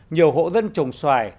nhiều hộ dân trồng xoài